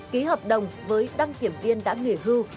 ký hợp đồng với đăng kiểm viên đã nghỉ hưu